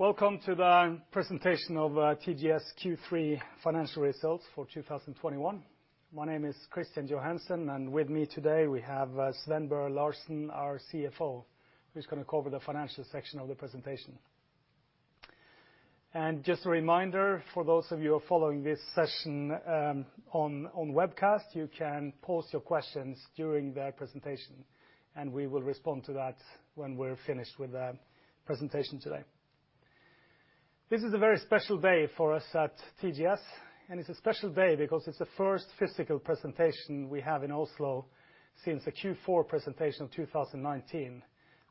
Welcome to the presentation of TGS Q3 financial results for 2021. My name is Kristian Johansen, and with me today we have Sven Børre Larsen, our CFO, who's gonna cover the financial section of the presentation. Just a reminder for those of you who are following this session on webcast, you can pose your questions during the presentation, and we will respond to that when we're finished with the presentation today. This is a very special day for us at TGS, and it's a special day because it's the first physical presentation we have in Oslo since the Q4 presentation 2019,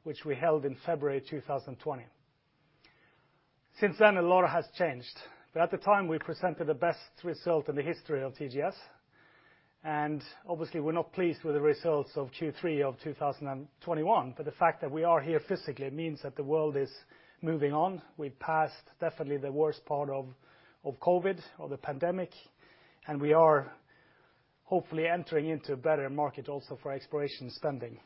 which we held in February 2020. Since then, a lot has changed. At the time, we presented the best result in the history of TGS, and obviously, we're not pleased with the results of Q3 of 2021. The fact that we are here physically means that the world is moving on. We've passed definitely the worst part of COVID or the pandemic, and we are hopefully entering into a better market also for exploration spending.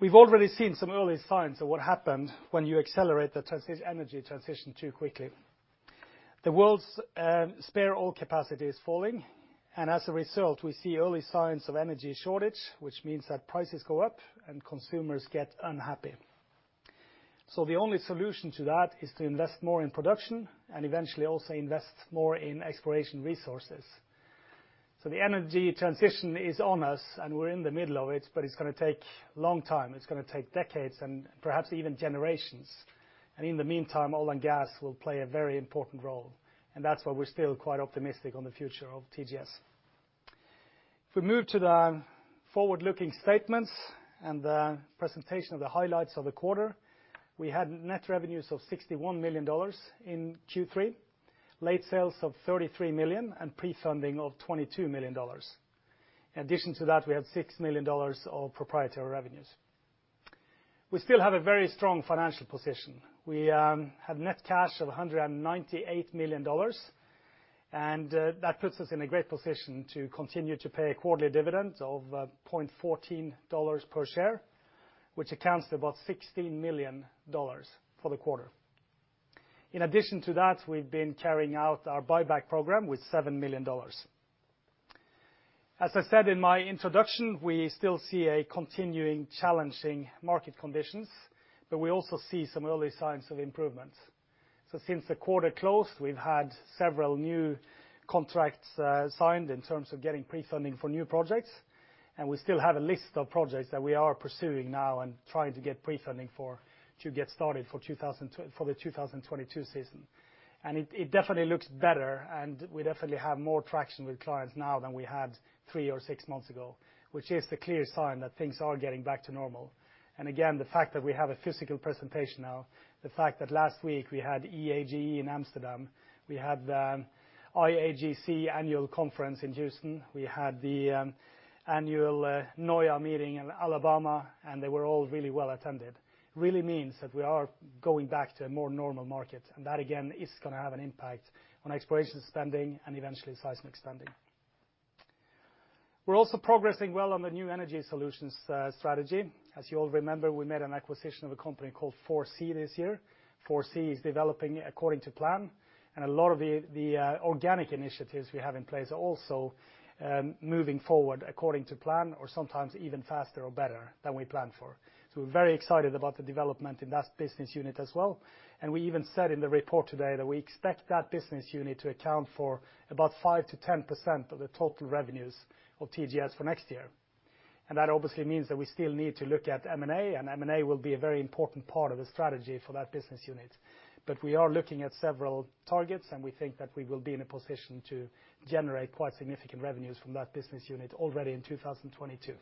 We've already seen some early signs of what happens when you accelerate the energy transition too quickly. The world's spare oil capacity is falling, and as a result, we see early signs of energy shortage, which means that prices go up and consumers get unhappy. The only solution to that is to invest more in production and eventually also invest more in exploration resources. The energy transition is on us, and we're in the middle of it, but it's gonna take a long time. It's gonna take decades and perhaps even generations. In the meantime, oil and gas will play a very important role, and that's why we're still quite optimistic on the future of TGS. If we move to the forward-looking statements and the presentation of the highlights of the quarter, we had net revenues of $61 million in Q3, late sales of $33 million, and prefunding of $22 million. In addition to that, we had $6 million of proprietary revenues. We still have a very strong financial position. We have net cash of $198 million, and that puts us in a great position to continue to pay a quarterly dividend of $0.14 per share, which accounts to about $16 million for the quarter. In addition to that, we've been carrying out our buyback program with $7 million. As I said in my introduction, we still see a continuing challenging market conditions, but we also see some early signs of improvements. Since the quarter closed, we've had several new contracts signed in terms of getting prefunding for new projects, and we still have a list of projects that we are pursuing now and trying to get prefunding for to get started for the 2022 season. It definitely looks better, and we definitely have more traction with clients now than we had three or six months ago, which is the clear sign that things are getting back to normal. Again, the fact that we have a physical presentation now, the fact that last week we had EAGE in Amsterdam, we had IAGC annual conference in Houston, we had the annual NOIA meeting in Alabama, and they were all really well attended, really means that we are going back to a more normal market. That, again, is gonna have an impact on exploration spending and eventually seismic spending. We're also progressing well on the New Energy Solutions strategy. As you all remember, we made an acquisition of a company called 4C this year. 4C is developing according to plan, and a lot of the organic initiatives we have in place are also moving forward according to plan or sometimes even faster or better than we planned for. We're very excited about the development in that business unit as well. We even said in the report today that we expect that business unit to account for about 5%-10% of the total revenues of TGS for next year. That obviously means that we still need to look at M&A, and M&A will be a very important part of the strategy for that business unit. We are looking at several targets, and we think that we will be in a position to generate quite significant revenues from that business unit already in 2022.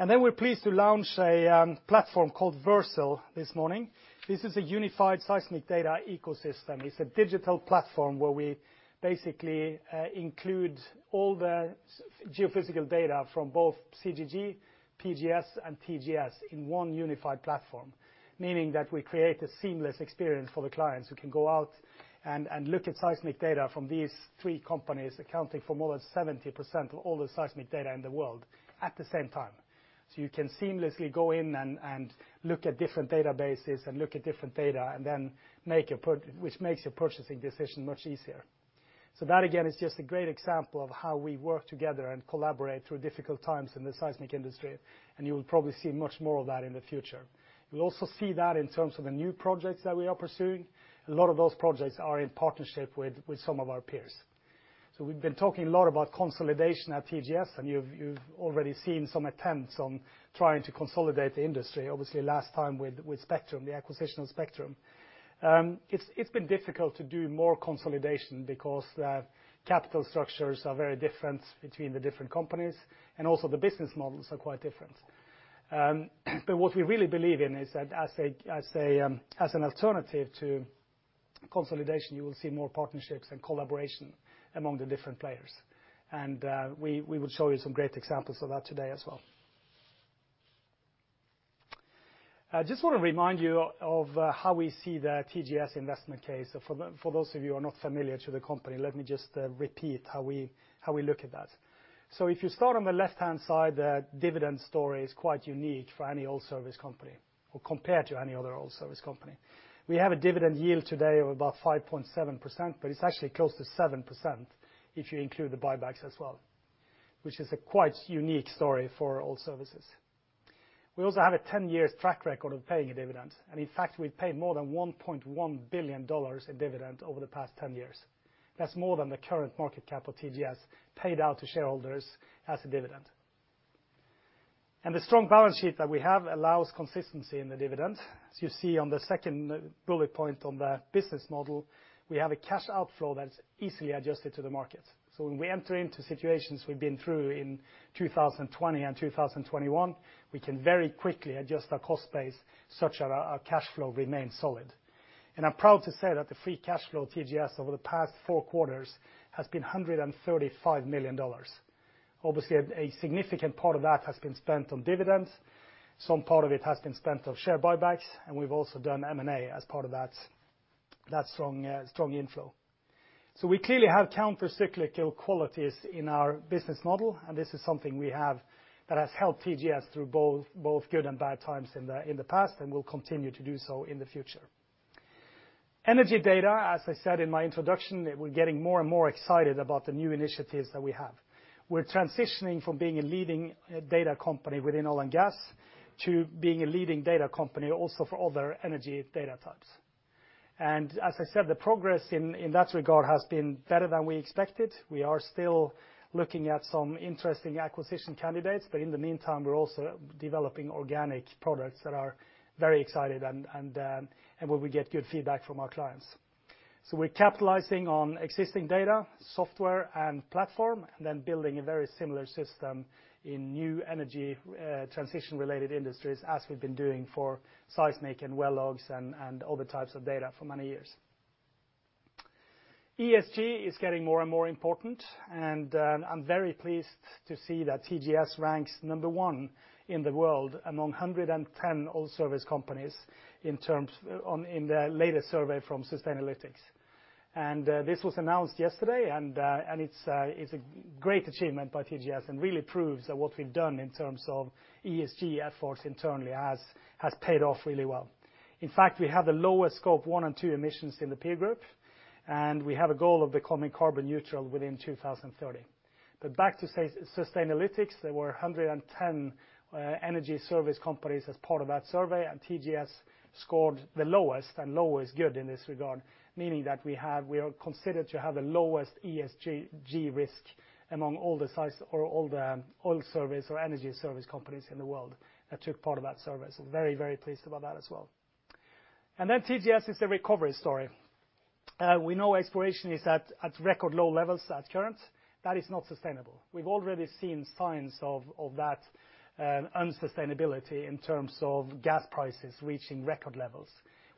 We're pleased to launch a platform called Versal this morning. This is a unified seismic data ecosystem. It's a digital platform where we basically include all the seismic geophysical data from both CGG, PGS, and TGS in one unified platform, meaning that we create a seamless experience for the clients who can go out and look at seismic data from these three companies, accounting for more than 70% of all the seismic data in the world at the same time. You can seamlessly go in and look at different databases and look at different data and then make a purchase which makes your purchasing decision much easier. That, again, is just a great example of how we work together and collaborate through difficult times in the seismic industry, and you will probably see much more of that in the future. You'll also see that in terms of the new projects that we are pursuing. A lot of those projects are in partnership with some of our peers. We've been talking a lot about consolidation at TGS, and you've already seen some attempts on trying to consolidate the industry, obviously last time with Spectrum, the acquisition of Spectrum. It's been difficult to do more consolidation because the capital structures are very different between the different companies, and also the business models are quite different. What we really believe in is that as an alternative to consolidation, you will see more partnerships and collaboration among the different players. We will show you some great examples of that today as well. I just want to remind you of how we see the TGS investment case. For those of you who are not familiar with the company, let me just repeat how we look at that. If you start on the left-hand side, the dividend story is quite unique for any oil service company or compared to any other oil service company. We have a dividend yield today of about 5.7%, but it's actually close to 7% if you include the buybacks as well, which is a quite unique story for oil services. We also have a 10-year track record of paying a dividend, and in fact, we've paid more than $1.1 billion in dividends over the past 10 years. That's more than the current market cap of TGS paid out to shareholders as a dividend. The strong balance sheet that we have allows consistency in the dividend. As you see on the second bullet point on the business model, we have a cash outflow that is easily adjusted to the market. When we enter into situations we've been through in 2020 and 2021, we can very quickly adjust our cost base such that our cash flow remains solid. I'm proud to say that the free cash flow of TGS over the past four quarters has been $135 million. Obviously, a significant part of that has been spent on dividends, some part of it has been spent on share buybacks, and we've also done M&A as part of that strong inflow. We clearly have counter-cyclical qualities in our business model, and this is something we have that has helped TGS through both good and bad times in the past and will continue to do so in the future. Energy data, as I said in my introduction, we're getting more and more excited about the new initiatives that we have. We're transitioning from being a leading data company within oil and gas to being a leading data company also for other energy data types. As I said, the progress in that regard has been better than we expected. We are still looking at some interesting acquisition candidates, but in the meantime, we're also developing organic products that are very exciting and where we get good feedback from our clients. We're capitalizing on existing data, software, and platform, and then building a very similar system in new energy, transition-related industries as we've been doing for seismic and well logs and other types of data for many years. ESG is getting more and more important, and I'm very pleased to see that TGS ranks number one in the world among 110 oil service companies in terms of the latest survey from Sustainalytics. This was announced yesterday, and it's a great achievement by TGS and really proves that what we've done in terms of ESG efforts internally has paid off really well. In fact, we have the lowest scope one and two emissions in the peer group, and we have a goal of becoming carbon neutral within 2030. Back to Sustainalytics, there were 110 energy service companies as part of that survey, and TGS scored the lowest, and lowest is good in this regard, meaning that we are considered to have the lowest ESG risk among all the size or all the oil service or energy service companies in the world that took part of that survey. Very, very pleased about that as well. Then TGS is a recovery story. We know exploration is at record low levels at current. That is not sustainable. We've already seen signs of that unsustainability in terms of gas prices reaching record levels.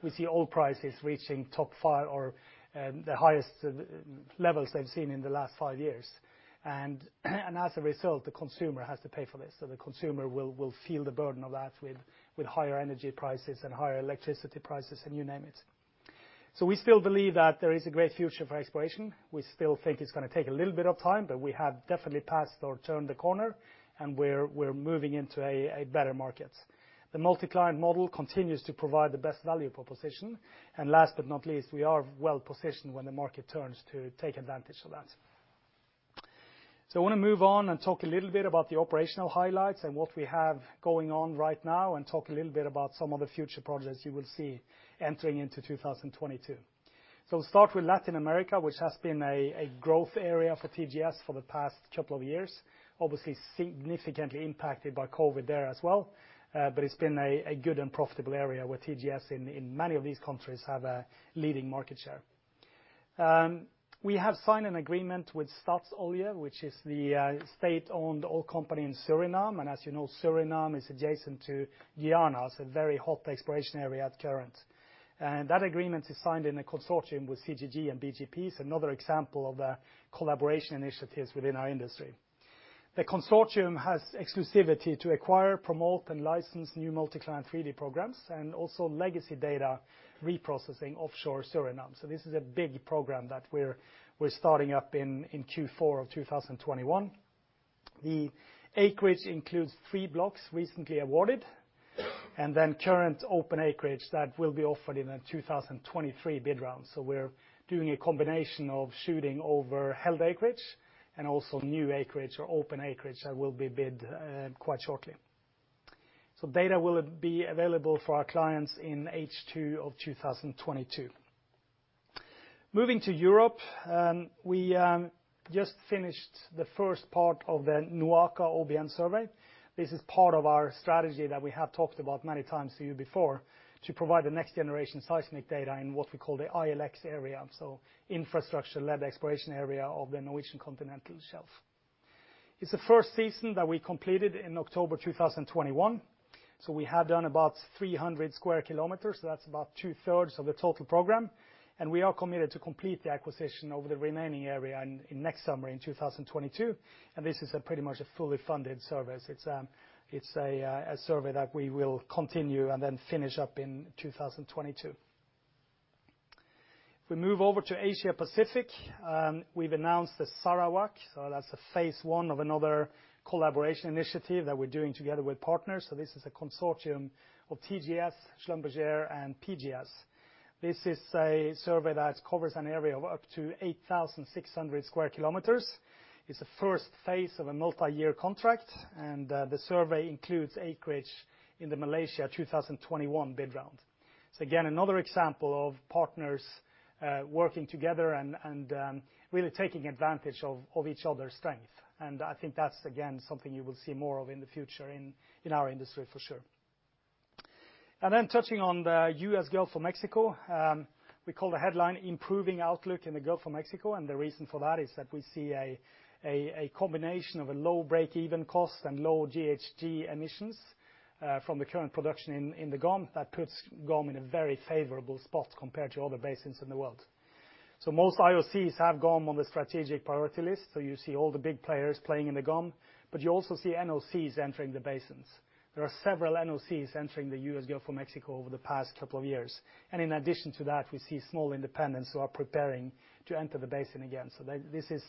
We see oil prices reaching top five or the highest levels they've seen in the last five years. As a result, the consumer has to pay for this. The consumer will feel the burden of that with higher energy prices and higher electricity prices, and you name it. We still believe that there is a great future for exploration. We still think it's gonna take a little bit of time, but we have definitely passed or turned the corner, and we're moving into a better market. The multi-client model continues to provide the best value proposition. And last but not least, we are well-positioned when the market turns to take advantage of that. I want to move on and talk a little bit about the operational highlights and what we have going on right now and talk a little bit about some of the future projects you will see entering into 2022. We'll start with Latin America, which has been a growth area for TGS for the past couple of years, obviously significantly impacted by COVID there as well. But it's been a good and profitable area where TGS in many of these countries have a leading market share. We have signed an agreement with Staatsolie, which is the state-owned oil company in Suriname. As you know, Suriname is adjacent to Guyana, so a very hot exploration area currently. That agreement is signed in a consortium with CGG and BGP, so another example of the collaboration initiatives within our industry. The consortium has exclusivity to acquire, promote, and license new multi-client 3D programs and also legacy data reprocessing offshore Suriname. This is a big program that we're starting up in Q4 of 2021. The acreage includes three blocks recently awarded, and then current open acreage that will be offered in a 2023 bid round. We're doing a combination of shooting over held acreage and also new acreage or open acreage that will be bid quite shortly. Data will be available for our clients in H2 of 2022. Moving to Europe, we just finished the first part of the NOAKA OBN survey. This is part of our strategy that we have talked about many times to you before to provide the next generation seismic data in what we call the ILX area, so Infrastructure-led Exploration area of the Norwegian Continental Shelf. It's the first season that we completed in October 2021. We have done about 300 square kilometers, so that's about 2/3 of the total program. We are committed to complete the acquisition over the remaining area in next summer in 2022, and this is a pretty much fully funded survey. It's a survey that we will continue and then finish up in 2022. If we move over to Asia Pacific, we've announced the Sarawak. That's the phase one of another collaboration initiative that we're doing together with partners. This is a consortium of TGS, Schlumberger, and PGS. This is a survey that covers an area of up to 8,600 sq km. It's the first phase of a multi-year contract, and the survey includes acreage in the Malaysia 2021 bid round. Again, another example of partners working together and really taking advantage of each other's strength. I think that's, again, something you will see more of in the future in our industry for sure. Then touching on the U.S. Gulf of Mexico, we call the headline Improving Outlook in the Gulf of Mexico, and the reason for that is that we see a combination of a low breakeven cost and low GHG emissions from the current production in the GOM that puts GOM in a very favorable spot compared to other basins in the world. Most IOCs have GOM on the strategic priority list, so you see all the big players playing in the GOM. But you also see NOCs entering the basins. There are several NOCs entering the U.S. Gulf of Mexico over the past couple of years. In addition to that, we see small independents who are preparing to enter the basin again. This is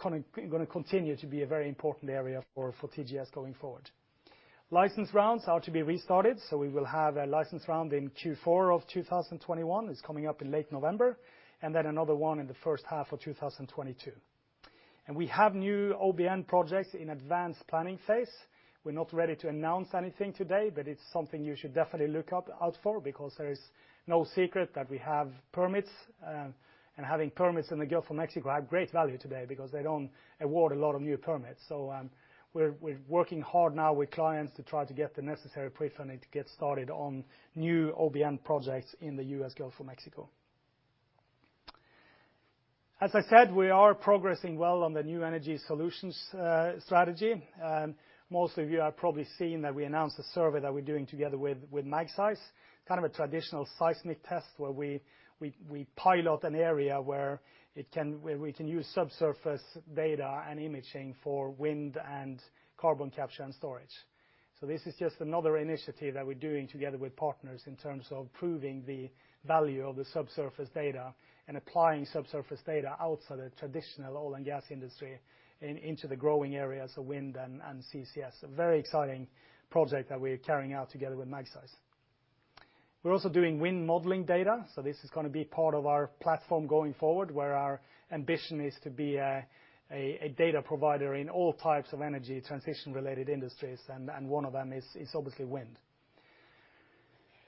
kinda gonna continue to be a very important area for TGS going forward. License rounds are to be restarted, so we will have a license round in Q4 2021. It's coming up in late November, and then another one in the first half of 2022. We have new OBN projects in advanced planning phase. We're not ready to announce anything today, but it's something you should definitely look out for because there is no secret that we have permits. Having permits in the Gulf of Mexico have great value today because they don't award a lot of new permits. We're working hard now with clients to try to get the necessary prefunding to get started on new OBN projects in the U.S. Gulf of Mexico. As I said, we are progressing well on the New Energy Solutions strategy. Most of you have probably seen that we announced a survey that we're doing together with Magseis. Kind of a traditional seismic test where we pilot an area where we can use subsurface data and imaging for wind and carbon capture and storage. This is just another initiative that we're doing together with partners in terms of proving the value of the subsurface data and applying subsurface data outside the traditional oil and gas industry into the growing areas of wind and CCS. A very exciting project that we're carrying out together with Magseis. We're also doing wind modeling data, so this is gonna be part of our platform going forward, where our ambition is to be a data provider in all types of energy transition-related industries, and one of them is obviously wind.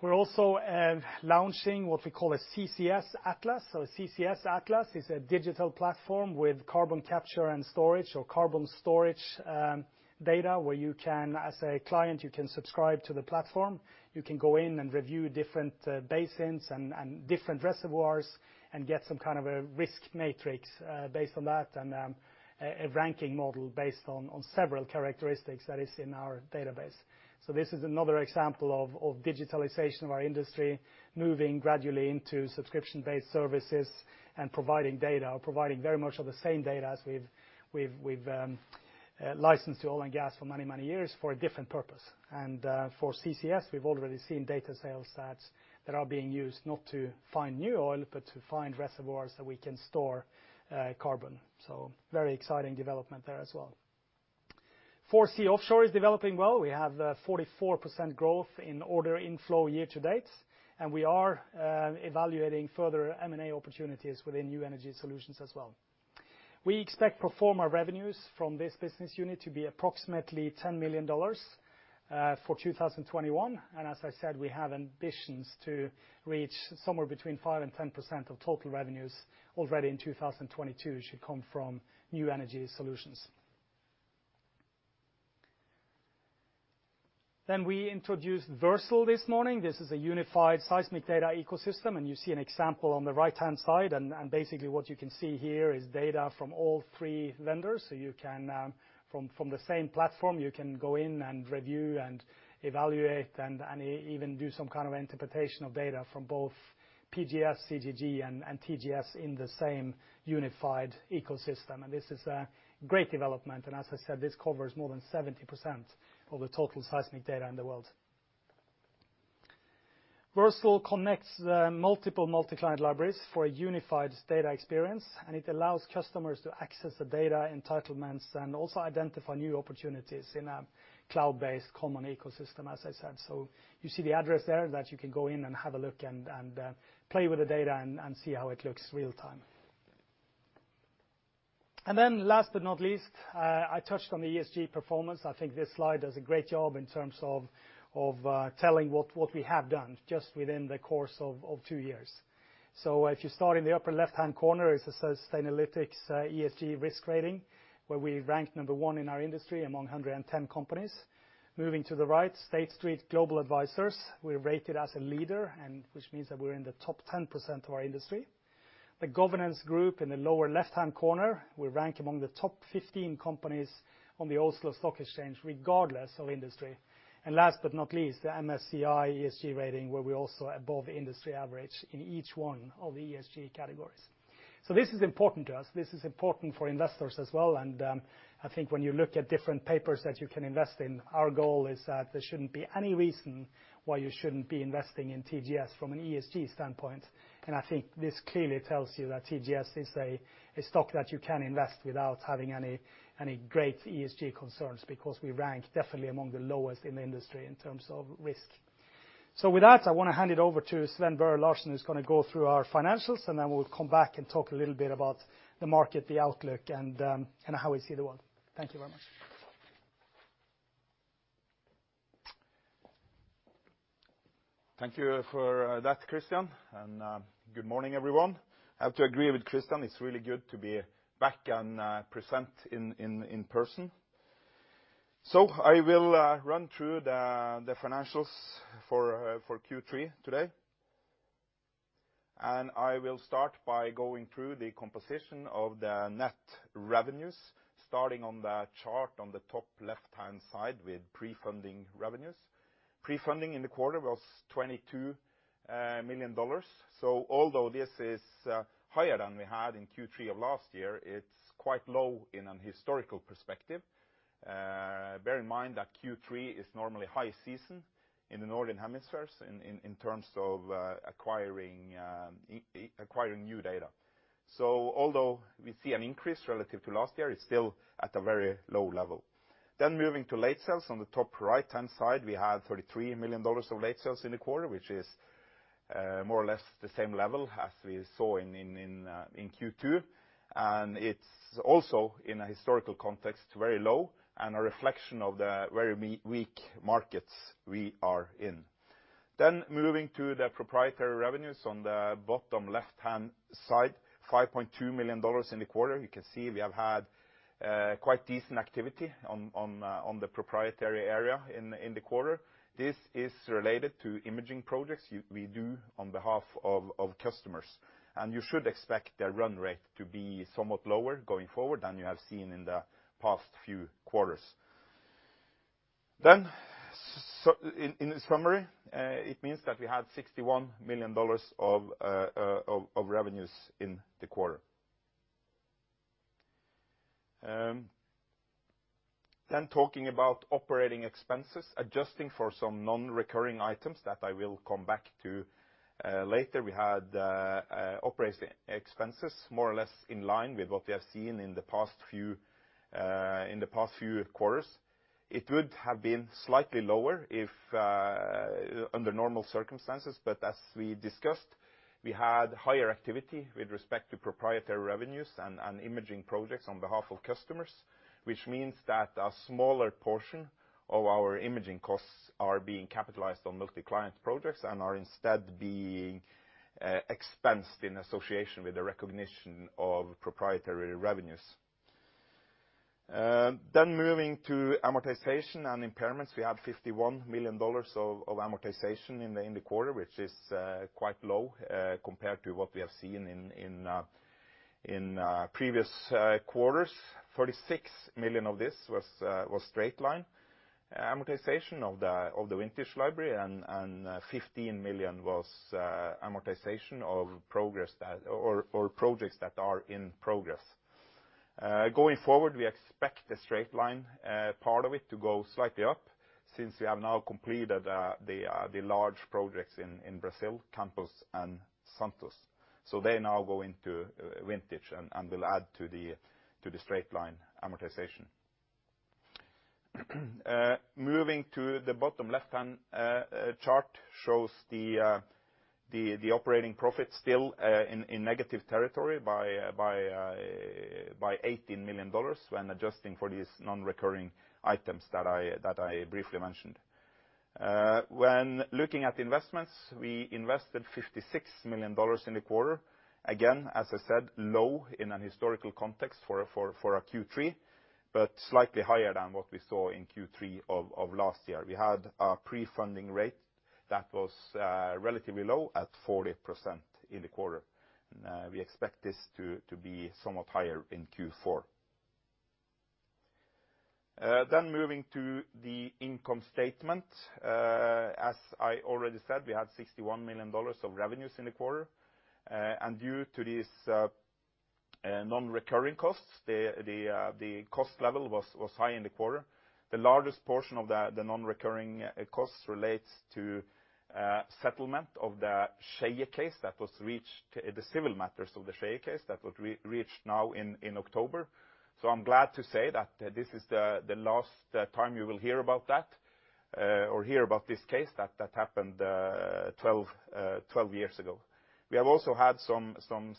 We're also launching what we call a CCS Atlas. So a CCS Atlas is a digital platform with carbon capture and storage or carbon storage data where you can, as a client, subscribe to the platform. You can go in and review different basins and different reservoirs and get some kind of a risk matrix based on that, and a ranking model based on several characteristics that is in our database. This is another example of digitalization of our industry, moving gradually into subscription-based services and providing very much of the same data as we've licensed to oil and gas for many years for a different purpose. For CCS, we've already seen data sales that are being used not to find new oil, but to find reservoirs that we can store carbon. Very exciting development there as well. 4C Offshore is developing well. We have 44% growth in order inflow year to date, and we are evaluating further M&A opportunities within New Energy Solutions as well. We expect pro forma revenues from this business unit to be approximately $10 million for 2021. As I said, we have ambitions to reach somewhere between 5%-10% of total revenues already in 2022 should come from New Energy Solutions. We introduced Versal this morning. This is a unified seismic data ecosystem, and you see an example on the right-hand side. Basically what you can see here is data from all three vendors. You can from the same platform, you can go in and review and evaluate and even do some kind of interpretation of data from both PGS, CGG, and TGS in the same unified ecosystem. This is a great development. As I said, this covers more than 70% of the total seismic data in the world. Versal connects the multiple multi-client libraries for a unified data experience, and it allows customers to access the data entitlements and also identify new opportunities in a cloud-based common ecosystem, as I said. You see the address there that you can go in and have a look and play with the data and see how it looks real time. Last but not least, I touched on the ESG performance. I think this slide does a great job in terms of telling what we have done just within the course of two years. If you start in the upper left-hand corner is the Sustainalytics ESG risk rating, where we rank number one in our industry among 110 companies. Moving to the right, State Street Global Advisors, we're rated as a leader and which means that we're in the top 10% of our industry. The Governance Group in the lower left-hand corner, we rank among the top 15 companies on the Oslo Stock Exchange, regardless of industry. Last but not least, the MSCI ESG rating, where we're also above industry average in each one of the ESG categories. This is important to us. This is important for investors as well. I think when you look at different papers that you can invest in, our goal is that there shouldn't be any reason why you shouldn't be investing in TGS from an ESG standpoint. I think this clearly tells you that TGS is a stock that you can invest without having any great ESG concerns, because we rank definitely among the lowest in the industry in terms of risk. With that, I want to hand it over to Sven Børre Larsen, who's going to go through our financials, and then we'll come back and talk a little bit about the market, the outlook and how we see the world. Thank you very much. Thank you for that, Kristian, and good morning, everyone. I have to agree with Kristian, it's really good to be back and present in person. I will run through the financials for Q3 today. I will start by going through the composition of the net revenues, starting on the chart on the top left-hand side with prefunding revenues. Prefunding in the quarter was $22 million. Although this is higher than we had in Q3 of last year, it's quite low in a historical perspective. Bear in mind that Q3 is normally high season in the Northern Hemisphere in terms of acquiring new data. Although we see an increase relative to last year, it's still at a very low level. Moving to late sales on the top right-hand side, we had $33 million of late sales in the quarter, which is more or less the same level as we saw in Q2. It's also, in a historical context, very low and a reflection of the very weak markets we are in. Moving to the proprietary revenues on the bottom left-hand side, $5.2 million in the quarter. You can see we have had quite decent activity on the proprietary area in the quarter. This is related to imaging projects we do on behalf of customers. You should expect the run rate to be somewhat lower going forward than you have seen in the past few quarters. In summary, it means that we had $61 million of revenues in the quarter. Talking about operating expenses, adjusting for some non-recurring items that I will come back to later, we had operating expenses more or less in line with what we have seen in the past few quarters. It would have been slightly lower if under normal circumstances, but as we discussed, we had higher activity with respect to proprietary revenues and imaging projects on behalf of customers, which means that a smaller portion of our imaging costs are being capitalized on multi-client projects and are instead being expensed in association with the recognition of proprietary revenues. Moving to amortization and impairments. We have $51 million of amortization in the quarter, which is quite low compared to what we have seen in previous quarters. $46 million of this was straight line amortization of the vintage library, and $15 million was amortization of projects that are in progress. Going forward, we expect the straight line part of it to go slightly up since we have now completed the large projects in Brazil, Campos and Santos. They now go into vintage and will add to the straight line amortization. Moving to the bottom left-hand chart shows the operating profit still in negative territory by $18 million when adjusting for these non-recurring items that I briefly mentioned. When looking at investments, we invested $56 million in the quarter. Again, as I said, low in an historical context for a Q3, but slightly higher than what we saw in Q3 of last year. We had a prefunding rate that was relatively low at 40% in the quarter. We expect this to be somewhat higher in Q4. Moving to the income statement. As I already said, we had $61 million of revenues in the quarter. Due to these non-recurring costs, the cost level was high in the quarter. The largest portion of the non-recurring costs relates to settlement of the Skeie case that was reached, the civil matters of the Skeie case that was reached now in October. I'm glad to say that this is the last time you will hear about that or hear about this case that happened 12 years ago. We have also had some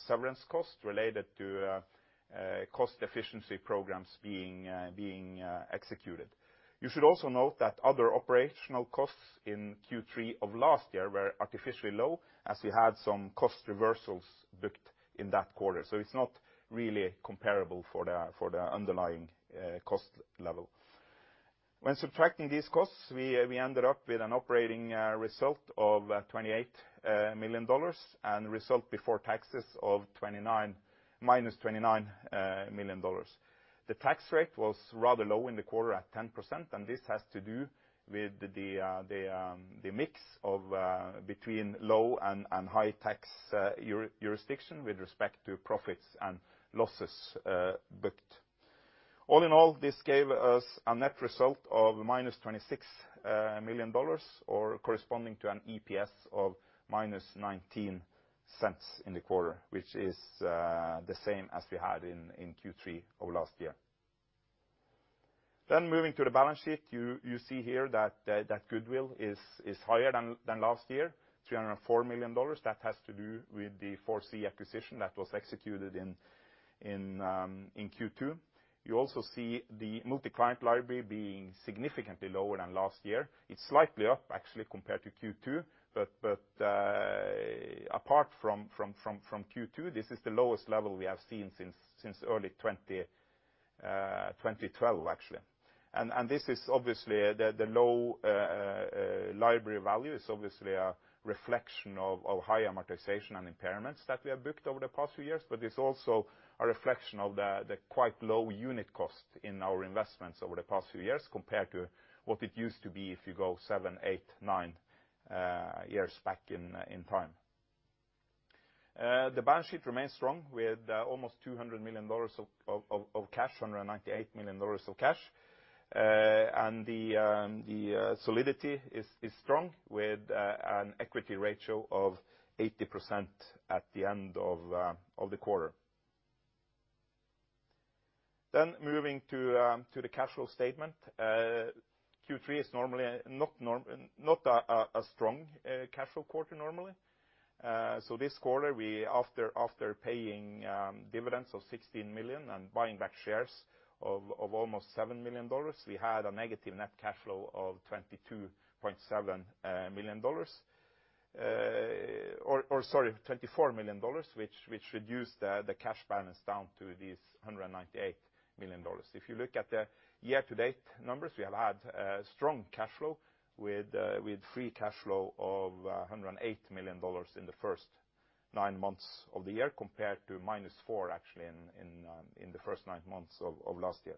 severance costs related to cost efficiency programs being executed. You should also note that other operational costs in Q3 of last year were artificially low as we had some cost reversals booked in that quarter. It's not really comparable for the underlying cost level. When subtracting these costs, we ended up with an operating result of $28 million and result before taxes of minus $29 million. The tax rate was rather low in the quarter at 10%, and this has to do with the mix of between low and high tax jurisdiction with respect to profits and losses booked. All in all, this gave us a net result of minus $26 million or corresponding to an EPS of minus $0.19 in the quarter, which is the same as we had in Q3 of last year. Moving to the balance sheet, you see here that goodwill is higher than last year, $304 million. That has to do with the 4C acquisition that was executed in Q2. You also see the multi-client library being significantly lower than last year. It's slightly up actually compared to Q2, but apart from Q2, this is the lowest level we have seen since early 2012 actually. This is obviously the low library value is obviously a reflection of high amortization and impairments that we have booked over the past few years, but it's also a reflection of the quite low unit cost in our investments over the past few years compared to what it used to be if you go seven, eight, nine years back in time. The balance sheet remains strong with almost $200 million of cash, net cash of $98 million. The solidity is strong with an equity ratio of 80% at the end of the quarter. Moving to the cash flow statement. Q3 is normally not a strong cash flow quarter normally. This quarter, after paying dividends of $16 million and buying back shares of almost $7 million, we had a negative net cash flow of $22.7 million, or sorry, $24 million, which reduced the cash balance down to $198 million. If you look at the year-to-date numbers, we have had strong cash flow with free cash flow of $108 million in the first nine months of the year compared to -$4 million actually in the first nine months of last year.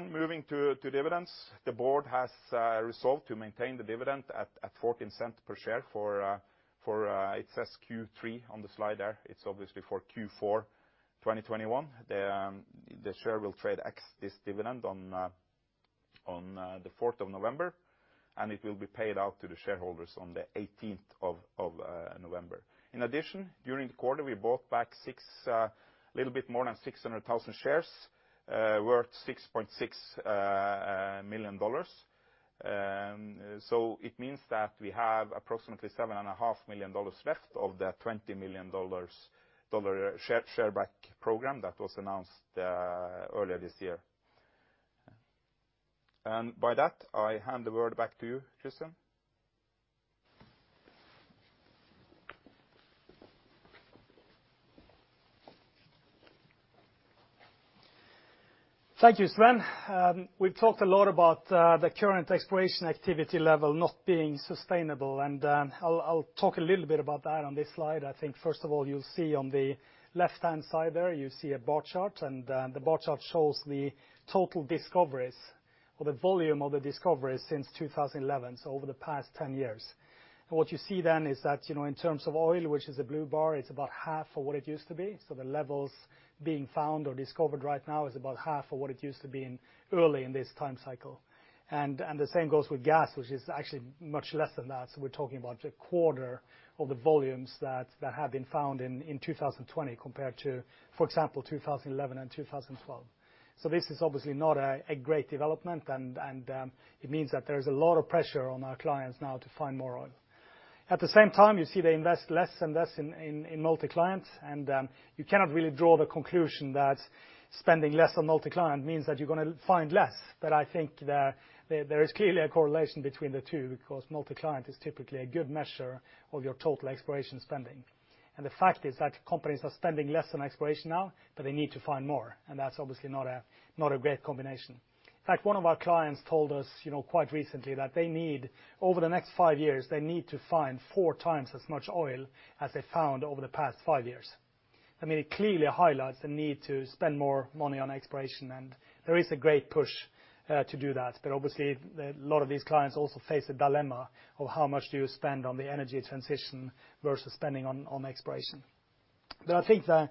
Moving to dividends. The board has resolved to maintain the dividend at $0.14 per share for Q3 on the slide there. It's obviously for Q4 2021. The share will trade ex this dividend on the 4th of November, and it will be paid out to the shareholders on the eighteenth of November. In addition, during the quarter, we bought back a little bit more than 600,000 shares worth $6.6 million. It means that we have approximately $7.5 million left of the $20 million share buyback program that was announced earlier this year. By that, I hand the word back to you, Kristian. Thank you, Sven. We've talked a lot about the current exploration activity level not being sustainable, and I'll talk a little bit about that on this slide. I think first of all, you'll see on the left-hand side there, you see a bar chart, and the bar chart shows the total discoveries or the volume of the discoveries since 2011, so over the past 10 years. What you see then is that, you know, in terms of oil, which is a blue bar, it's about half of what it used to be. The levels being found or discovered right now is about half of what it used to be in early this time cycle. The same goes with gas, which is actually much less than that. We're talking about a quarter of the volumes that have been found in 2020 compared to, for example, 2011 and 2012. This is obviously not a great development and it means that there is a lot of pressure on our clients now to find more oil. At the same time, you see they invest less and less in multi-client, and you cannot really draw the conclusion that spending less on multi-client means that you're gonna find less. I think there is clearly a correlation between the two because multi-client is typically a good measure of your total exploration spending. The fact is that companies are spending less on exploration now, but they need to find more. That's obviously not a great combination. In fact, one of our clients told us, you know, quite recently that they need, over the next five years, to find four times as much oil as they found over the past five years. I mean, it clearly highlights the need to spend more money on exploration, and there is a great push to do that. Obviously, a lot of these clients also face a dilemma of how much do you spend on the energy transition versus spending on exploration. I think the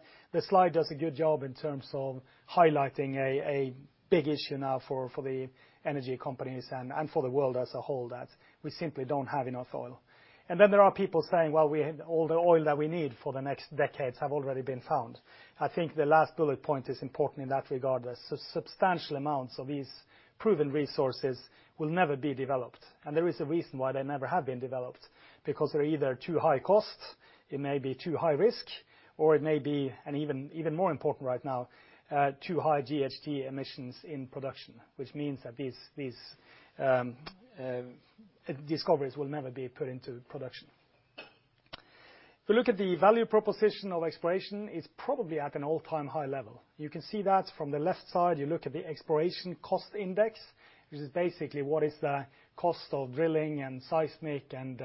slide does a good job in terms of highlighting a big issue now for the energy companies and for the world as a whole, that we simply don't have enough oil. Then there are people saying, "Well, we all the oil that we need for the next decades have already been found." I think the last bullet point is important in that regard. Substantial amounts of these proven resources will never be developed. There is a reason why they never have been developed, because they're either too high cost, it may be too high risk, or it may be, and even more important right now, too high GHG emissions in production, which means that these discoveries will never be put into production. If you look at the value proposition of exploration, it's probably at an all-time high level. You can see that from the left side. You look at the exploration cost index, which is basically what is the cost of drilling and seismic and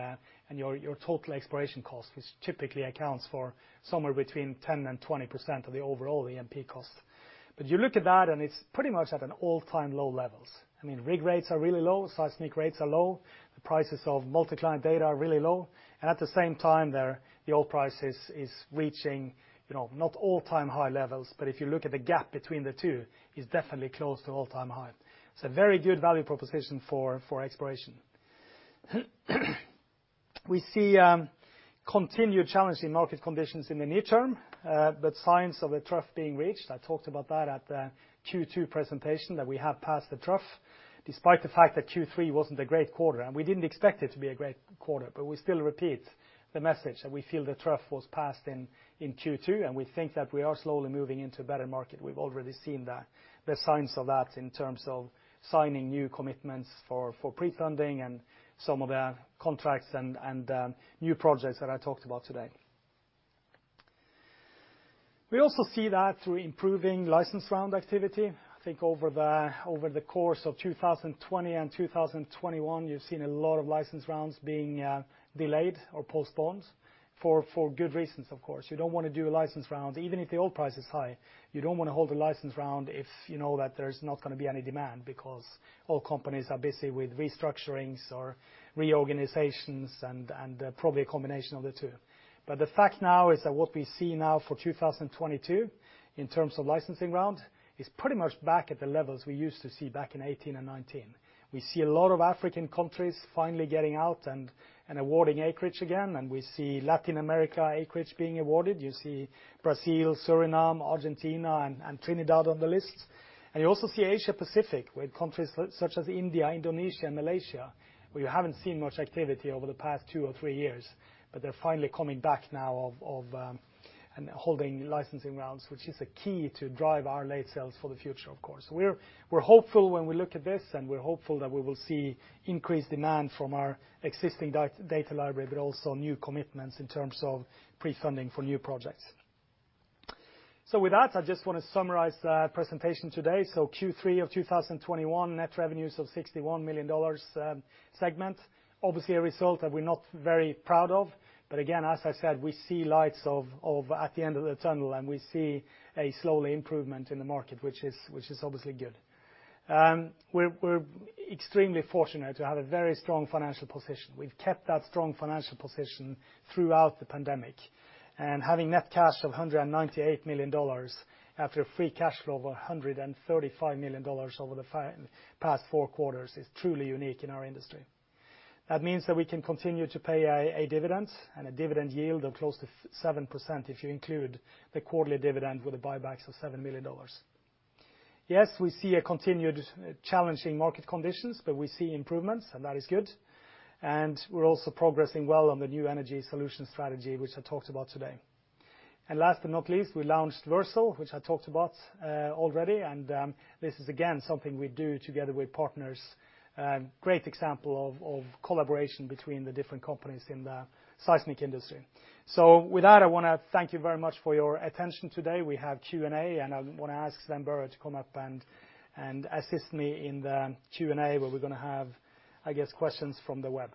your total exploration cost, which typically accounts for somewhere between 10% and 20% of the overall E&P cost. You look at that and it's pretty much at an all-time low levels. I mean, rig rates are really low, seismic rates are low, the prices of multi-client data are really low. At the same time, the oil price is reaching, you know, not all-time high levels, but if you look at the gap between the two, it's definitely close to an all-time high. It's a very good value proposition for exploration. We see continued challenging market conditions in the near term, but signs of a trough being reached. I talked about that at the Q2 presentation, that we have passed the trough, despite the fact that Q3 wasn't a great quarter. We didn't expect it to be a great quarter, but we still repeat the message that we feel the trough was passed in Q2, and we think that we are slowly moving into a better market. We've already seen the signs of that in terms of signing new commitments for prefunding and some of the contracts and new projects that I talked about today. We also see that through improving license round activity. I think over the course of 2020 and 2021, you've seen a lot of license rounds being delayed or postponed for good reasons, of course. Even if the oil price is high, you don't wanna hold a license round if you know that there's not gonna be any demand, because oil companies are busy with restructurings or reorganizations and probably a combination of the two. The fact now is that what we see now for 2022 in terms of licensing round is pretty much back at the levels we used to see back in 2018 and 2019. We see a lot of African countries finally getting out and awarding acreage again, and we see Latin America acreage being awarded. You see Brazil, Suriname, Argentina, and Trinidad on the list. You also see Asia Pacific with countries such as India, Indonesia, and Malaysia, where you haven't seen much activity over the past two or three years, but they're finally coming back now. Holding licensing rounds, which is a key to drive our late sales for the future of course. We're hopeful when we look at this, and we're hopeful that we will see increased demand from our existing data library, but also new commitments in terms of prefunding for new projects. With that, I just wanna summarize the presentation today. Q3 2021, net revenues of $61 million, segment. Obviously a result that we're not very proud of, but again, as I said, we see lights at the end of the tunnel, and we see a slow improvement in the market, which is obviously good. We're extremely fortunate to have a very strong financial position. We've kept that strong financial position throughout the pandemic. Having net cash of $198 million after a free cash flow of $135 million over the past four quarters is truly unique in our industry. That means that we can continue to pay a dividend, and a dividend yield of close to 7%, if you include the quarterly dividend with the buybacks of $7 million. Yes, we see continued challenging market conditions, but we see improvements, and that is good. We're also progressing well on the New Energy Solutions strategy, which I talked about today. Last but not least, we launched Versal, which I talked about already. This is again something we do together with partners. Great example of collaboration between the different companies in the seismic industry. With that, I wanna thank you very much for your attention today. We have Q&A, and I want to ask Sven Børre to come up and assist me in the Q&A, where we're gonna have, I guess, questions from the web.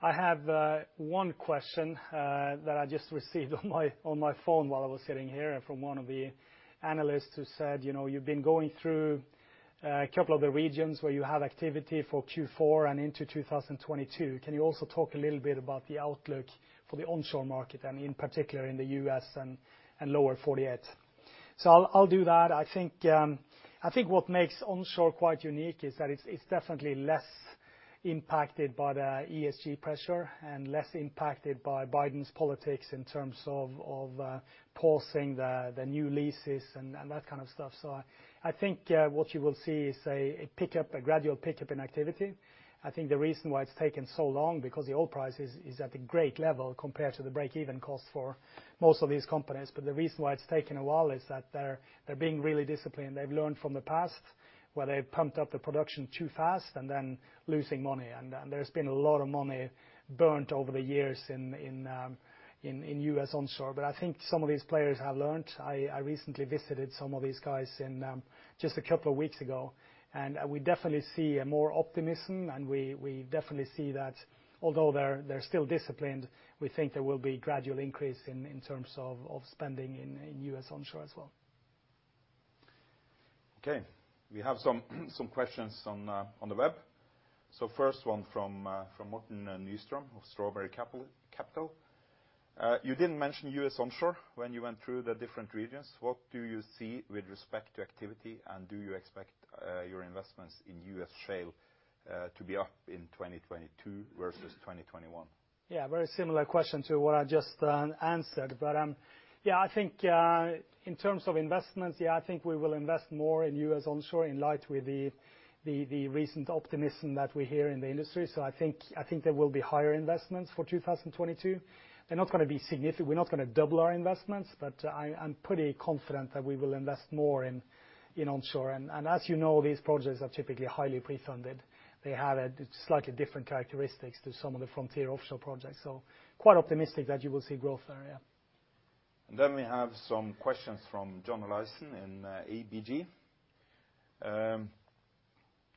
I have one question that I just received on my phone while I was sitting here from one of the analysts who said, you know, "You've been going through a couple of the regions where you have activity for Q4 and into 2022. Can you also talk a little bit about the outlook for the onshore market, and in particular in the U.S. and Lower 48?" I'll do that. I think what makes onshore quite unique is that it's definitely less impacted by the ESG pressure and less impacted by Biden's politics in terms of pausing the new leases and that kind of stuff. I think what you will see is a gradual pickup in activity. I think the reason why it's taken so long because the oil price is at a great level compared to the break-even cost for most of these companies, but the reason why it's taken a while is that they're being really disciplined. They've learned from the past, where they pumped up the production too fast and then losing money and there's been a lot of money burned over the years in U.S. onshore. I think some of these players have learned. I recently visited some of these guys in just a couple of weeks ago, and we definitely see more optimism, and we definitely see that although they're still disciplined, we think there will be gradual increase in terms of spending in U.S. onshore as well. Okay. We have some questions on the web. First one from Morten Nystrøm of Strawberry Capital. You didn't mention U.S. onshore when you went through the different regions. What do you see with respect to activity, and do you expect your investments in U.S. shale to be up in 2022 versus 2021? Yeah, very similar question to what I just answered. Yeah, I think in terms of investments, I think we will invest more in U.S. onshore in line with the recent optimism that we hear in the industry. I think there will be higher investments for 2022. They're not gonna be significant. We're not gonna double our investments, but I'm pretty confident that we will invest more in onshore. As you know, these projects are typically highly prefunded. They have a slightly different characteristics to some of the frontier offshore projects. Quite optimistic that you will see growth there, yeah. Then we have some questions from John Olaisen in ABG.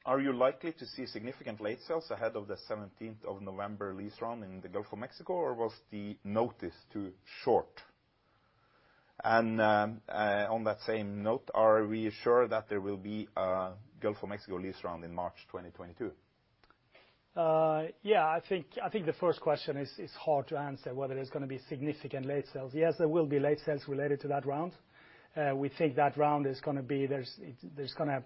Are you likely to see significant late sales ahead of the 17th of November lease round in the Gulf of Mexico, or was the notice too short? On that same note, are we sure that there will be a Gulf of Mexico lease round in March 2022? I think the first question is hard to answer whether there's gonna be significant late sales. Yes, there will be late sales related to that round. We think that round is gonna be there's gonna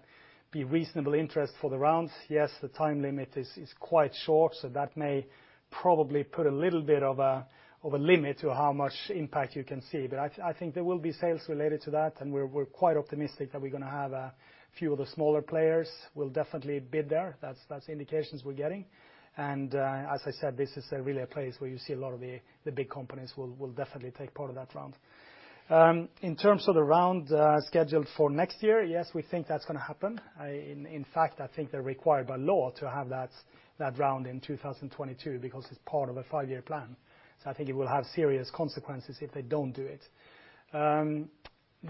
be reasonable interest for the rounds. Yes, the time limit is quite short, so that may probably put a little bit of a limit to how much impact you can see. But I think there will be sales related to that, and we're quite optimistic that we're gonna have a few of the smaller players will definitely bid there. That's the indications we're getting. As I said, this is really a place where you see a lot of the big companies will definitely take part of that round. In terms of the round scheduled for next year, yes, we think that's gonna happen. In fact, I think they're required by law to have that round in 2022 because it's part of a five-year plan. I think it will have serious consequences if they don't do it.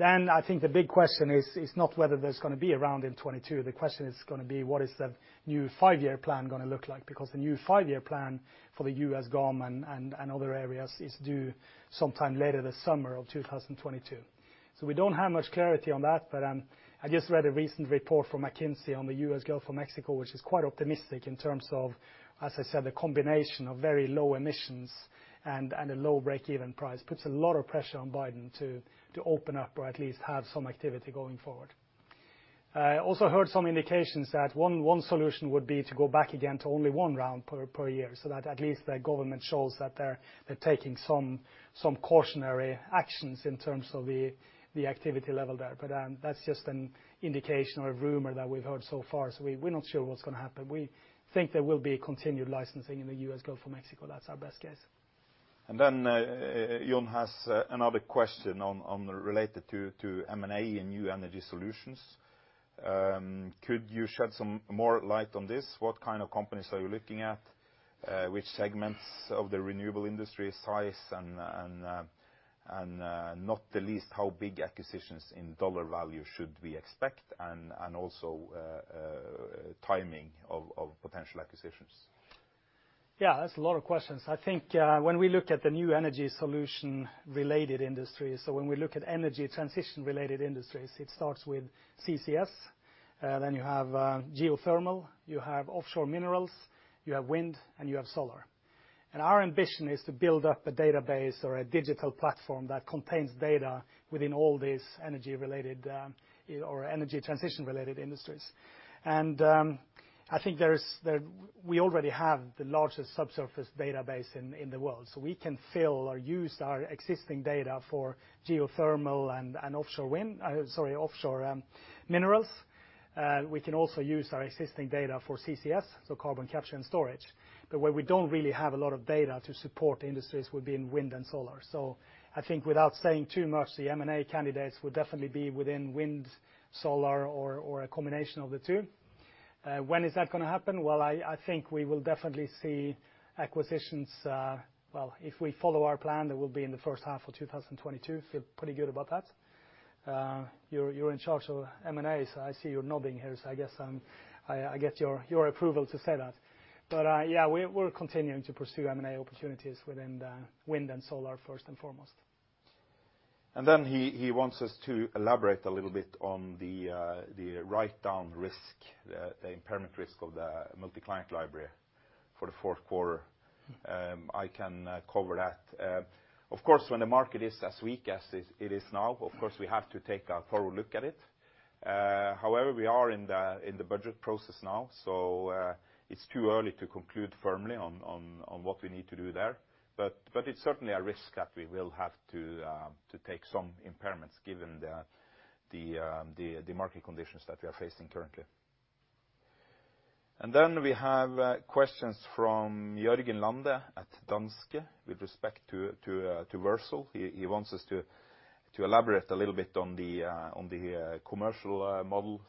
I think the big question is not whether there's gonna be a round in 2022. The question is gonna be, what is the new five-year plan gonna look like? The new five-year plan for the U.S. GOM and other areas is due sometime later this summer of 2022. We don't have much clarity on that, but I just read a recent report from McKinsey on the U.S. Gulf of Mexico, which is quite optimistic in terms of, as I said, the combination of very low emissions and a low break-even price puts a lot of pressure on Biden to open up or at least have some activity going forward. I also heard some indications that one solution would be to go back again to only one round per year, so that at least the government shows that they're taking some cautionary actions in terms of the activity level there. That's just an indication or a rumor that we've heard so far. We're not sure what's gonna happen. We think there will be continued licensing in the U.S. Gulf of Mexico. That's our best guess. Then John has another question related to M&A and New Energy Solutions. Could you shed some more light on this? What kind of companies are you looking at? Which segments of the renewable industry such as, and not the least, how big acquisitions in US dollar value should we expect and also timing of potential acquisitions? Yeah, that's a lot of questions. I think when we look at the New Energy Solutions-related industry, so when we look at energy transition-related industries, it starts with CCS, then you have geothermal, you have offshore minerals, you have wind, and you have solar. Our ambition is to build up a database or a digital platform that contains data within all these energy-related or energy transition-related industries. I think we already have the largest subsurface database in the world. We can fill or use our existing data for geothermal and offshore minerals. We can also use our existing data for CCS, so carbon capture and storage. Where we don't really have a lot of data to support industries would be in wind and solar. I think without saying too much, the M&A candidates would definitely be within wind, solar or a combination of the two. When is that gonna happen? Well, I think we will definitely see acquisitions, well, if we follow our plan, that will be in the first half of 2022. Feel pretty good about that. You're in charge of M&A, so I see you're nodding here. I guess I get your approval to say that. Yeah, we're continuing to pursue M&A opportunities within the wind and solar first and foremost. He wants us to elaborate a little bit on the write-down risk, the impairment risk of the multi-client library for the fourth quarter. I can cover that. Of course, when the market is as weak as it is now, of course, we have to take a thorough look at it. However, we are in the budget process now, so it's too early to conclude firmly on what we need to do there. It's certainly a risk that we will have to take some impairments given the market conditions that we are facing currently. We have questions from Jørgen Lande at Danske with respect to Versal. He wants us to elaborate a little bit on the commercial model,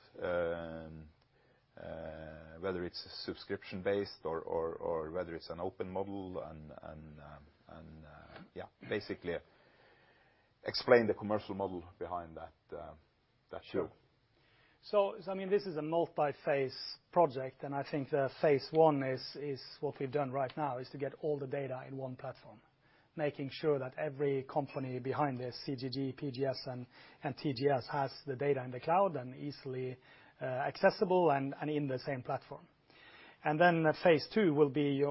whether it's subscription-based or whether it's an open model and yeah, basically explain the commercial model behind that tool. Sure. I mean, this is a multi-phase project, and I think the phase one is what we've done right now is to get all the data in one platform, making sure that every company behind this, CGG, PGS, and TGS, has the data in the cloud and easily accessible and in the same platform. Then phase two will be,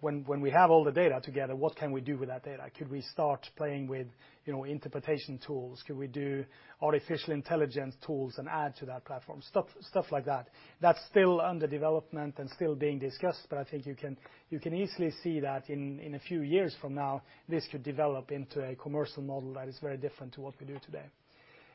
when we have all the data together, what can we do with that data? Could we start playing with, you know, interpretation tools? Could we do artificial intelligence tools and add to that platform? Stuff like that. That's still under development and still being discussed, but I think you can easily see that in a few years from now, this could develop into a commercial model that is very different to what we do today.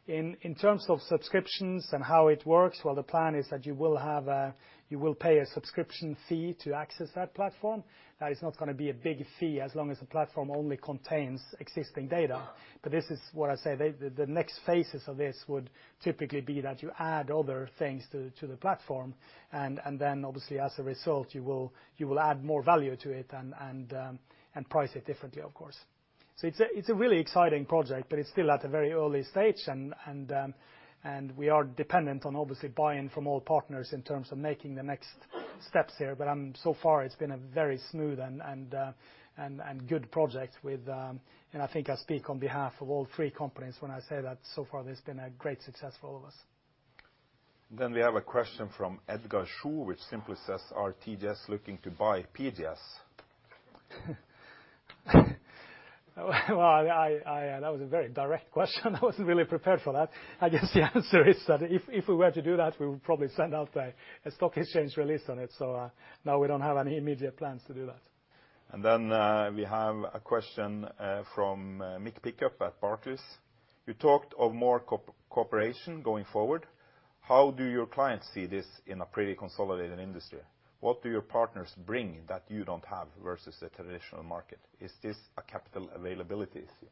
In terms of subscriptions and how it works, well, the plan is that you will pay a subscription fee to access that platform. That is not gonna be a big fee as long as the platform only contains existing data. This is what I say. The next phases of this would typically be that you add other things to the platform and then obviously as a result, you will add more value to it and price it differently of course. It's a really exciting project, but it's still at a very early stage and we are dependent on obviously buy-in from all partners in terms of making the next steps here. So far it's been a very smooth and good project with... I think I speak on behalf of all three companies when I say that so far this has been a great success for all of us. We have a question from Edgar Schwy, which simply says, "Are TGS looking to buy PGS? Well, that was a very direct question. I wasn't really prepared for that. I guess the answer is that if we were to do that, we would probably send out a stock exchange release on it. No, we don't have any immediate plans to do that. We have a question from Mick Pickup at Barclays: "You talked of more cooperation going forward. How do your clients see this in a pretty consolidated industry? What do your partners bring that you don't have versus the traditional market? Is this a capital availability issue?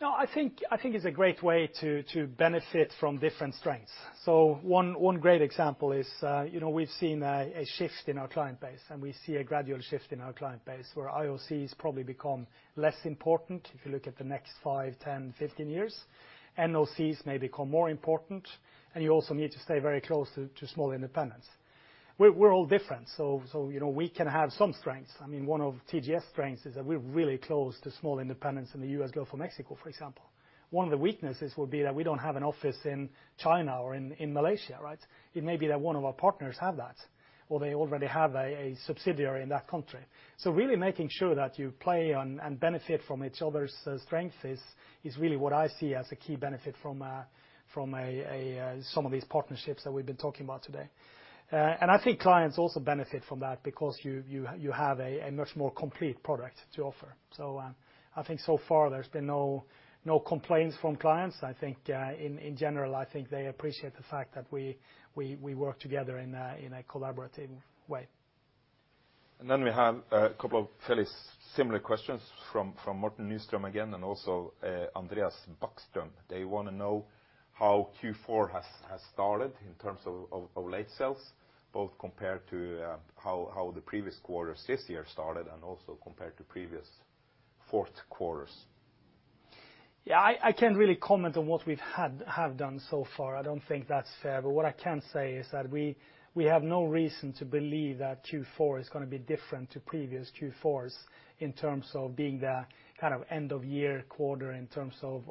No, I think it's a great way to benefit from different strengths. One great example is, you know, we've seen a shift in our client base, and we see a gradual shift in our client base where IOCs probably become less important if you look at the next five, 10, 15 years. NOCs may become more important. You also need to stay very close to small independents. We're all different, so you know, we can have some strengths. I mean, one of TGS' strengths is that we're really close to small independents in the U.S. Gulf of Mexico, for example. One of the weaknesses would be that we don't have an office in China or in Malaysia, right? It may be that one of our partners have that, or they already have a subsidiary in that country. Really making sure that you play and benefit from each other's strengths is really what I see as a key benefit from some of these partnerships that we've been talking about today. I think clients also benefit from that because you have a much more complete product to offer. I think so far there's been no complaints from clients. I think in general I think they appreciate the fact that we work together in a collaborative way. We have a couple of fairly similar questions from Morten Nystrøm again, and also Andreas Bäckström. They wanna know how Q4 has started in terms of late sales, both compared to how the previous quarters this year started and also compared to previous fourth quarters. Yeah, I can't really comment on what we've done so far. I don't think that's fair. What I can say is that we have no reason to believe that Q4 is gonna be different to previous Q4s in terms of being the kind of end of year quarter in terms of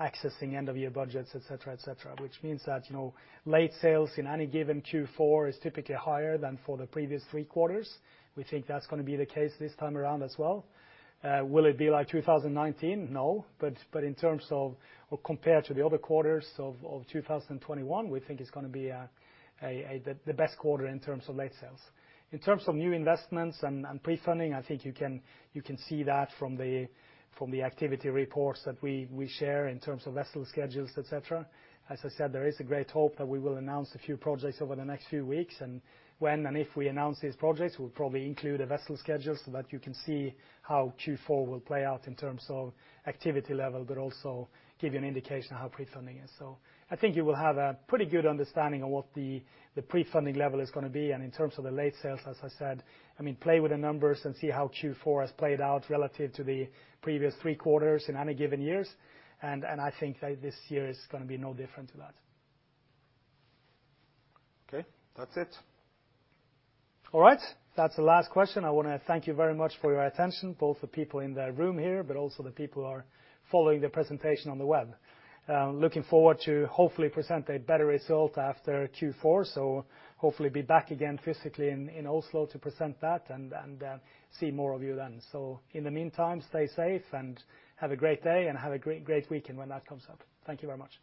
accessing end of year budgets, et cetera, et cetera. Which means that, you know, late sales in any given Q4 is typically higher than for the previous three quarters. We think that's gonna be the case this time around as well. Will it be like 2019? No. In terms of, or compared to the other quarters of 2021, we think it's gonna be the best quarter in terms of late sales. In terms of new investments and prefunding, I think you can see that from the activity reports that we share in terms of vessel schedules, et cetera. As I said, there is a great hope that we will announce a few projects over the next few weeks, and when and if we announce these projects, we'll probably include a vessel schedule so that you can see how Q4 will play out in terms of activity level, but also give you an indication of how prefunding is. I think you will have a pretty good understanding of what the prefunding level is gonna be. In terms of the late sales, as I said, I mean, play with the numbers and see how Q4 has played out relative to the previous three quarters in any given years. I think that this year is gonna be no different to that. Okay. That's it. All right. That's the last question. I wanna thank you very much for your attention, both the people in the room here, but also the people who are following the presentation on the web. I'm looking forward to hopefully present a better result after Q4, so hopefully be back again physically in Oslo to present that and see more of you then. In the meantime, stay safe and have a great day, and have a great weekend when that comes up. Thank you very much.